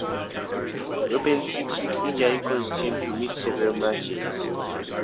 Robben's six-week injury caused him to miss several matches.